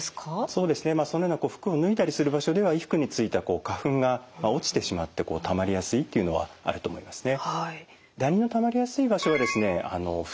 そうですねそのような服を脱いだりする場所では衣服についた花粉が落ちてしまってたまりやすいっていうのはあると思いますね。